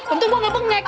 tentu gue gak bengek